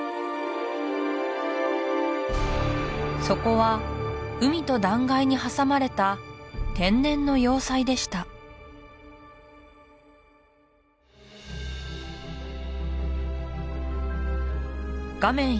そこは海と断崖に挟まれた天然の要塞でした画面